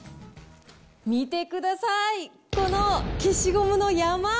見てください、この消しゴムの山。